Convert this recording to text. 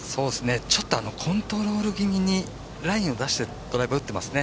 ちょっとコントロール気味にラインを出してドライブを打っていますね。